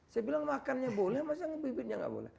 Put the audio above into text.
saya bilang makannya boleh masang bibirnya gak boleh